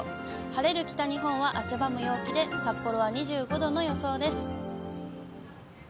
晴れる北日本は汗ばむ陽気で、札幌は２５度の予想です。